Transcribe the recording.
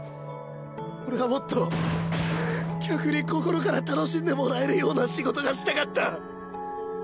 俺はもっと客に心から楽しんでもらえるような仕事がしたかった。